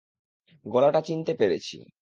গলাটা চিনতে পেরেছি।